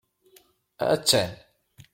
Attan!